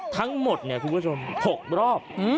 ทั้งหมด๖รอบ